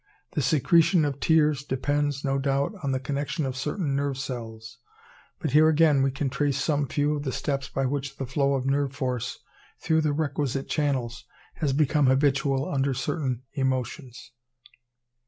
The secretion of tears depends, no doubt, on the connection of certain nerve cells; but here again we can trace some few of the steps by which the flow of nerve force through the requisite channels has become habitual under certain emotions.